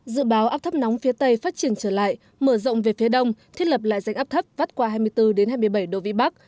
dự báo áp thấp nóng phía tây phát triển trở lại mở rộng về phía đông thiết lập lại danh áp thấp vắt qua hai mươi bốn hai mươi bảy độ vĩ bắc